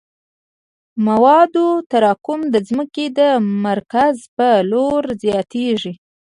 د موادو تراکم د ځمکې د مرکز په لور زیاتیږي